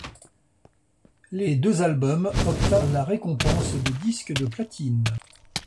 Les deux albums obtinrent la récompense de disque de platine.